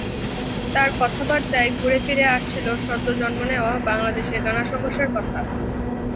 তাঁর কথাবার্তায় ঘুরেফিরে আসছিল সদ্য জন্ম নেওয়া বাংলাদেশের নানা সমস্যার কথা।